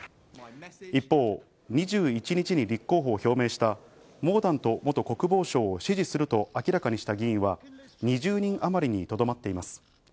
一方、２１日に立候補を表明したモーダント元国防相を支持すると明らかにした議員は２０人あまりにとどまっています。